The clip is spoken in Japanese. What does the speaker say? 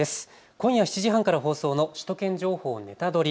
今夜７時半から放送の首都圏情報ネタドリ！